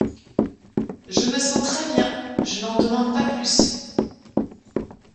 Je me sens très-bien, je n'en demande pas plus.